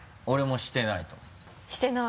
俺もしてないと思う。